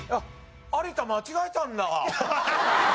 有田間違えたんだあ。